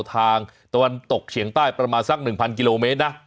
ตะวันตกเฉียงใต้ประมาณสัก๑๐๐กิโลเมตรนะ